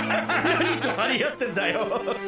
何と張り合ってんだよ。